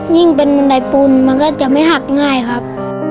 ยิ่งเป็นบันไดปูนมันก็จะไม่หักง่ายครับ